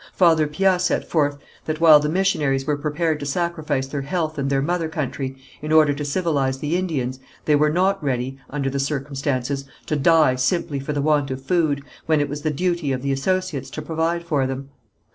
Father Piat set forth that while the missionaries were prepared to sacrifice their health and their mother country in order to civilize the Indians, they were not ready, under the circumstances, to die simply for the want of food, when it was the duty of the associates to provide for them.